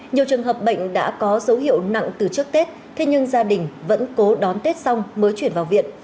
nhiều trường hợp bệnh đã có dấu hiệu nặng từ trước tết thế nhưng gia đình vẫn cố đón tết xong mới chuyển vào viện